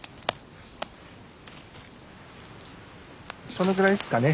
このぐらいですかね